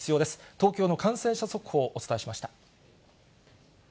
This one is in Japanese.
東京の感染者速報をお伝えしました。